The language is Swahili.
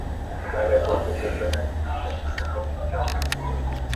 Bale bote beko na rima aba teswake na njala